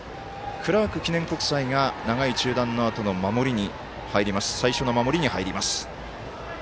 クラーク記念国際が長い中断のあとの最初の守りに入ります。